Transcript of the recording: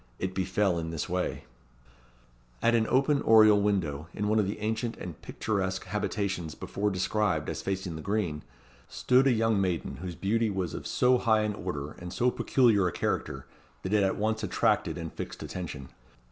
It befel in this way: At an open oriel window, in one of the ancient and picturesque habitations before described as facing the green, stood a young maiden, whose beauty was of so high an order, and so peculiar a character, that it at once attracted and fixed attention.